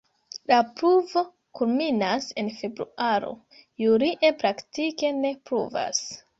La pluvo kulminas en februaro, julie praktike ne pluvas.